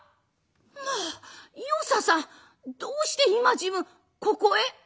「まあ与三さん。どうして今時分ここへ？」。